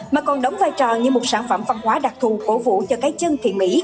mà còn đóng vai trò như một sản phẩm văn hóa đặc thù cổ vũ cho cái chân thiện mỹ